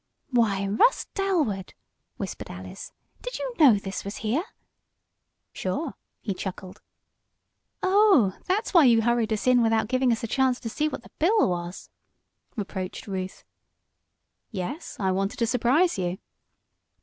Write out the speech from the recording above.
"Why, Russ Dalwood!" whispered Alice. "Did you know this was here?" "Sure!" he chuckled. "Oh, that's why you hurried us in without giving us a chance to see what the bill was," reproached Ruth. "Yes, I wanted to surprise you."